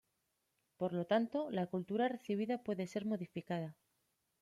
Por lo tanto, la cultura recibida puede ser modificada.